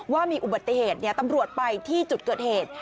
ว่ามีอุบัติเหตุตำรวจไปที่จุดเกิดเหตุ